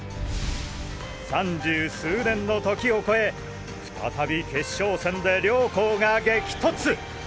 ３０数年の時を越え再び決勝戦で両校が激突！